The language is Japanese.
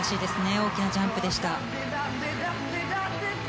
大きなジャンプでした。